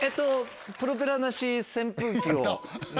プロペラなし扇風機を。